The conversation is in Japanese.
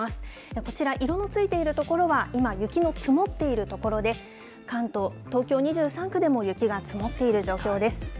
こちら、色のついている所は、今、雪の積もっている所で、関東、東京２３区でも雪が積もっている状況です。